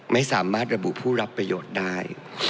ไม่สามารถระบุผู้รับประโยชน์ได้